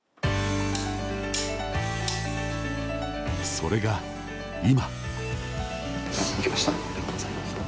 それが、今。